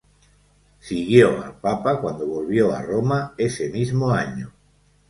Siguió al papa cuando volvió a Roma ese mismo año.